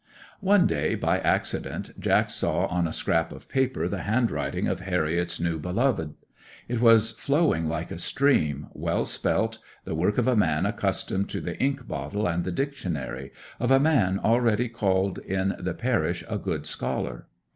'One day by accident Jack saw on a scrap of paper the handwriting of Harriet's new beloved. It was flowing like a stream, well spelt, the work of a man accustomed to the ink bottle and the dictionary, of a man already called in the parish a good scholar.